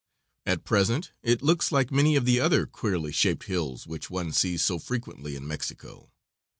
At present it looks like many of the other queerly shaped hills which one sees so frequently in Mexico.